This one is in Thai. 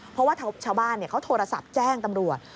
เพราะว่าชาวบ้านเขาโทรศัพท์แจ้งตำรวจ